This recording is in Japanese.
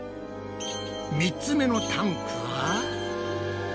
３つ目のタンクは。